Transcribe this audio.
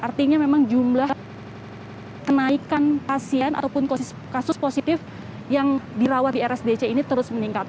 artinya memang jumlah kenaikan pasien ataupun kasus positif yang dirawat di rsdc ini terus meningkat